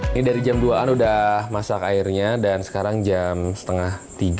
ini dari jam dua an udah masak airnya dan sekarang jam setengah tiga